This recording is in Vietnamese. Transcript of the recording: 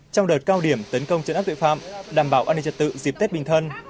trong đợt cao điểm tấn công chấn áp tội phạm đảm bảo an ninh trật tự dịp tết bình thân